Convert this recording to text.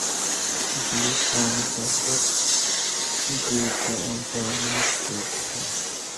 The view from the top includes the entire Monte Rosa group and the Matterhorn.